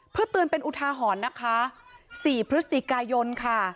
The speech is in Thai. เพื่อเตือนเป็นอุทาหรณ์นะคะ๔พฤศจิกายนค่ะ